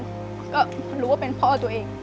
ก็รู้ว่าเป็นพ่อตัวเอง